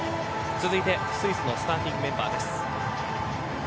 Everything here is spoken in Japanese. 続いてスイスのスターティングメンバーです。